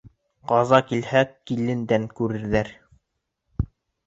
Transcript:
Ҡаза килһә, килендән күрерҙәр.